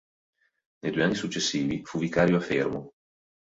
Nei due anni successivi fu vicario a Fermo.